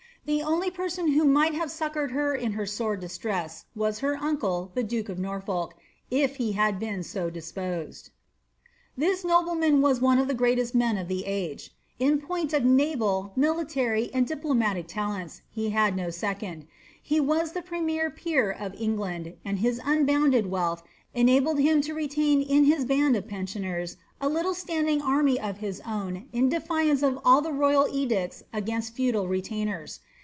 The only person who mifrht have succoured her in her sore distress was her uncle, the duke of Norfolk, if he had been so disposed. This nobleman was one of the greatest men of the age. In point of naval, military, and diplomatic talents, he had no second. He was die premier peer of Kngland, and his unbounded wealth enabled him to retain in his band of pensioners a little standing army of his own in defiance of all the royal edicts against feudal retainers.